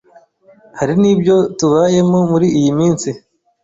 Hari n’ibyo tubayemo muri iyi minsi